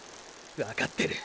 わかってる。